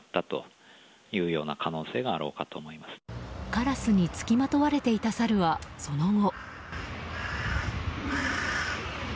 カラスに付きまとわれていたサルは、その後。